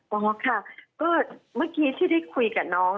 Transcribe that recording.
อ๋อค่ะก็เมื่อกี้ที่ได้คุยกับน้อง